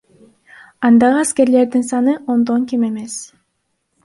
Андагы аскерлердин саны ондон кем эмес.